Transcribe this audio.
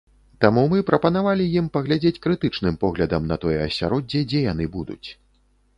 Таму мы прапанавалі ім паглядзець крытычным поглядам на тое асяроддзе, дзе яны будуць.